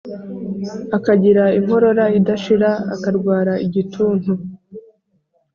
akagira inkorora idashira, akarwara igituntu,